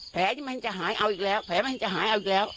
ที่มันจะหายเอาอีกแล้วแผลมันจะหายเอาอีกแล้ว